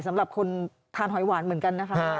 สำหรับคนทานหอยหวานเหมือนกันนะคะ